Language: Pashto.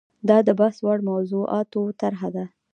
دا د بحث وړ موضوعاتو طرحه ده.